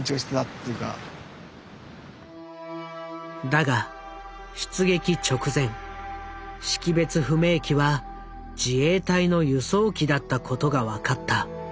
だが出撃直前識別不明機は自衛隊の輸送機だったことが分かった。